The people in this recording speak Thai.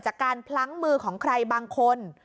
จากการพลั้งมือของใครบางคน